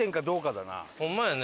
ホンマやね。